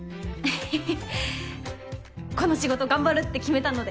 はははっこの仕事頑張るって決めたので。